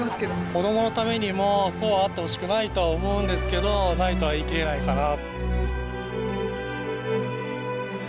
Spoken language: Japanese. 子供のためにもそうはあってほしくないとは思うんですけどないとは言い切れないかな。